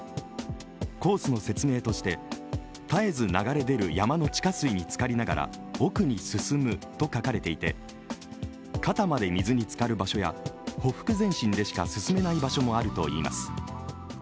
コースの説明として絶えず流れ出る山の地下水につかりながら奥に進むと書かれていて、肩まで水につかる場所やほふく前進でしか進めない場所もあるといいます。